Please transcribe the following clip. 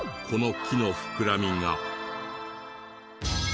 この木の膨らみが。